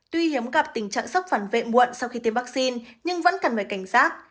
tuy hiếm gặp tình trạng sốc phản vệ muộn sau khi tiêm vaccine nhưng vẫn cần phải cảnh giác